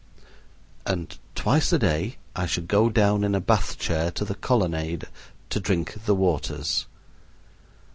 And twice a day I should go down in a Bath chair to the Colonnade to drink the waters.